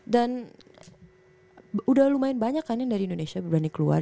dan udah lumayan banyak kan yang dari indonesia berani keluar